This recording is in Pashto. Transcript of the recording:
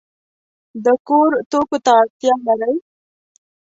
د کور توکو ته اړتیا لرئ؟